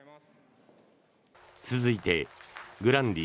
続いてグランディ